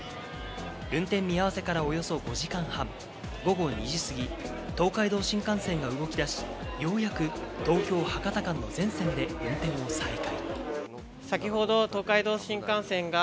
運転見合わせからおよそ５時間半、午後２時過ぎ、東海道新幹線が動き出し、ようやく東京−博多間の全線で運転を再開。